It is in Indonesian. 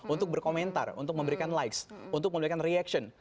untuk berkomentar untuk memberikan likes untuk memberikan reaction